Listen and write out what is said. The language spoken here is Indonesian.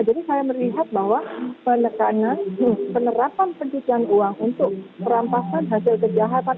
jadi saya melihat bahwa penerapan penyitaan uang untuk merampaskan hasil kejahatan